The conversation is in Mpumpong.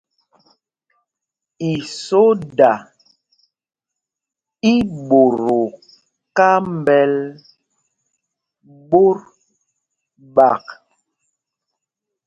Isoda í mbot o kámbɛl ɓot ɓák.